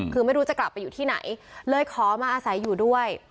คือไม่รู้จะกลับไปอยู่ที่ไหนเลยขอมาอาศัยอยู่ด้วย